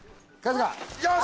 よし！